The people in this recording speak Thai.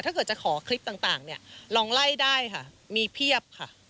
ถ้าเกิดจะขอคลิปต่างเนี่ยลองไล่ได้ค่ะมีเพียบค่ะ